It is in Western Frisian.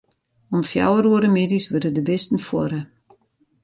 Om fjouwer oere middeis wurde de bisten fuorre.